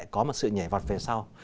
có một sự nhảy vọt về sau